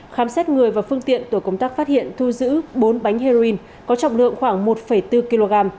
khám xét người và phương tiện tổ công tác phát hiện thu giữ bốn bánh heroin có trọng lượng khoảng một bốn kg